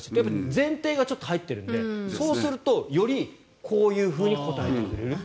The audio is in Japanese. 前提が入っているのでそうすると、よりこういうふうに答えてくれると。